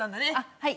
はい。